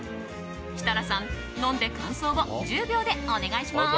設楽さん、飲んで感想を１０秒でお願いします。